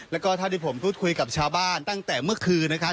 แล้วก็เท่าที่ผมพูดคุยกับชาวบ้านตั้งแต่เมื่อคืนนะครับ